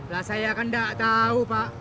lah saya kan nggak tau pak